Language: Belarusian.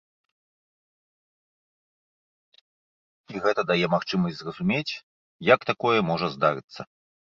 І гэта дае магчымасць зразумець, як такое можа здарыцца.